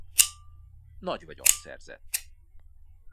Nagy vagyont szerzett.